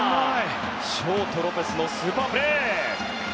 ショートロペスのスーパープレー。